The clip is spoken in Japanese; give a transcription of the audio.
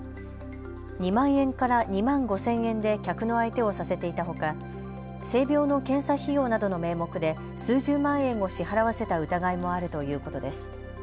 ２万円から２万５０００円で客の相手をさせていたほか性病の検査費用などの名目で数十万円を支払わせた疑いもあるということです。